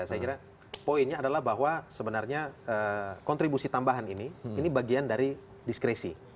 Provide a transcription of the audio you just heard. saya kira poinnya adalah bahwa sebenarnya kontribusi tambahan ini ini bagian dari diskresi